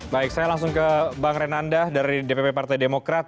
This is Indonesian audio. baik saya langsung ke bang renanda dari dpp partai demokrat